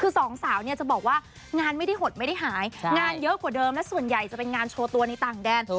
คือสองสาวเนี่ยจะบอกว่างานไม่ได้หดไม่ได้หายงานเยอะกว่าเดิมและส่วนใหญ่จะเป็นงานโชว์ตัวในต่างแดน